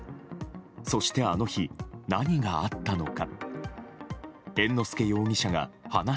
そしてあの日、何があったのか。